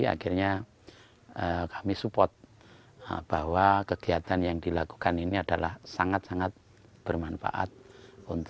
akhirnya kami support bahwa kegiatan yang dilakukan ini adalah sangat sangat bermanfaat